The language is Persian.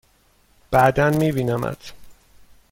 بعدا می بینمت!